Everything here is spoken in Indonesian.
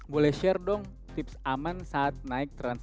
boleh share dong tips aman saat naik transaksi